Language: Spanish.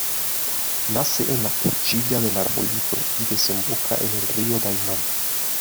Nace en la Cuchilla del Arbolito y desemboca en el río Daymán.